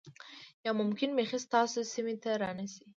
یا ممکن بیخی ستاسو سیمې ته را نشي